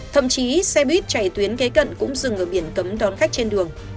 thậm chí xe buýt chạy tuyến kế cận cũng dừng ở biển cấm đón khách trên đường